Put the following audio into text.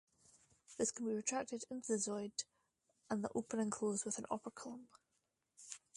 This can be retracted into the zooid and the opening closed with an operculum.